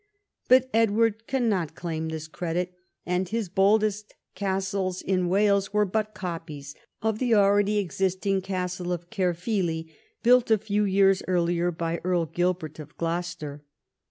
But Edward cannot claim this credit, and his boldest castles in Wales were but copies of the already existing Castle of Caerphilly, built a few years earlier by Earl Gilbert of Gloucester.